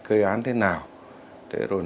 cây án thế nào